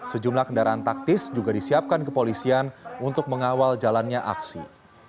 sejumlah kendaraan taktis juga disiapkan kepolisian untuk mengawal jalannya aksi